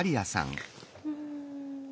うん。